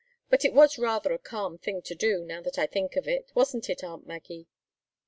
But it was rather a calm thing to do, now that I think of it wasn't it, aunt Maggie?"